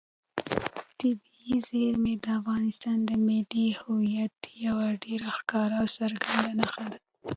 طبیعي زیرمې د افغانستان د ملي هویت یوه ډېره ښکاره او څرګنده نښه ده.